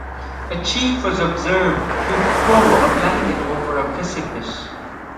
A chief was observed to throw a blanket over a precipice.